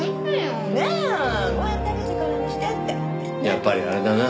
やっぱりあれだな。